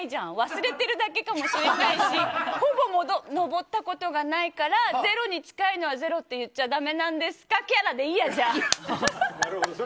忘れてるだけかもしれないしほぼ登ったことがないからゼロに近いのはゼロって言っちゃだめなんですかキャラでいいや、じゃあ！